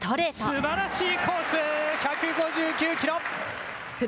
すばらしいコース１５９キロ。